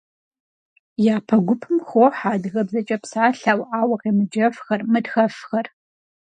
Япэ гупым хохьэ адыгэбзэкӏэ псалъэу, ауэ къемыджэфхэр, мытхэфхэр.